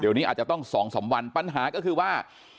เดี๋ยวนี้อาจจะต้อง๒๓วันปัญหาก็คือว่า